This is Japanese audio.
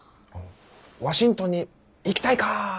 「ワシントンに行きたいか！」。